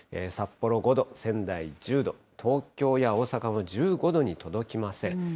札幌５度、仙台１０度、東京や大阪も１５度に届きません。